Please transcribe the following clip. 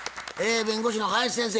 弁護士の林先生